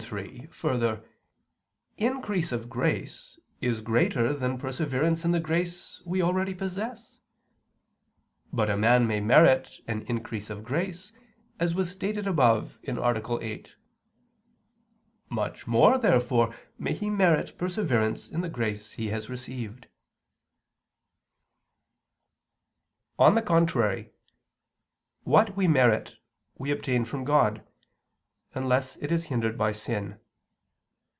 3: Further, increase of grace is greater than perseverance in the grace we already possess. But a man may merit an increase of grace, as was stated above (A. 8). Much more, therefore, may he merit perseverance in the grace he has already. On the contrary, What we merit, we obtain from God, unless it is hindered by sin.